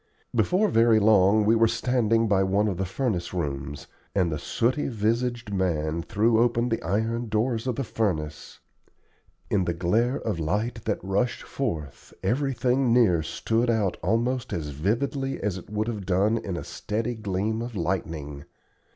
Before very long we were standing by one of the furnace rooms, and the sooty visaged man threw open the iron doors of the furnace. In the glare of light that rushed forth everything near stood out almost as vividly as it would have done in a steady gleam of lightning.